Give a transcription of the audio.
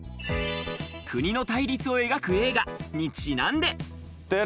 国の対立を描く映画にちなんで。